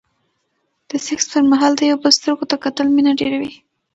د سکس پر مهال د يو بل سترګو ته کتل مينه ډېروي.